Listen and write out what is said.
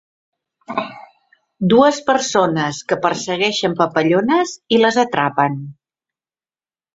Dues persones que persegueixen papallones i les atrapen.